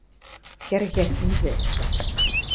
Кӓргӓ сӹнзӓ!